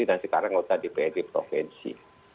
dan sekarang ngota di pnd provinsi